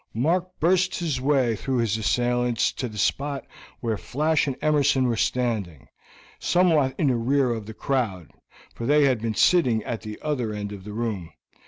Mark burst his way through his assailants to the spot where Flash and Emerson were standing, somewhat in the rear of the crowd, for they had been sitting at the other end of the room.